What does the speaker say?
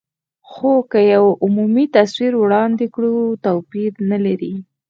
خو که یو عمومي تصویر وړاندې کړو، توپیر نه لري.